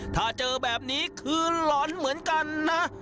ถ้าเจอแบบนี้คือหลอนเหมือนกันนะ